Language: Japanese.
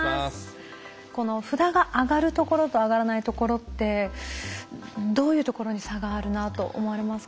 この札が上がるところと上がらないところってどういうところに差があるなと思われますか？